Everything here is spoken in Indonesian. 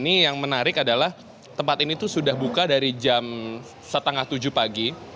ini yang menarik adalah tempat ini tuh sudah buka dari jam setengah tujuh pagi